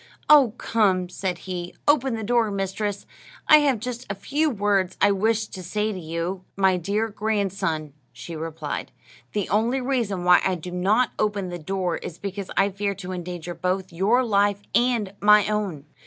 "Oh, come," said he, "open the door, mistress; I have just a few words I wish to say to you." "My dear grandson," she replied, "the only reason why I do not open the door is because I fear to endanger both your life and my own."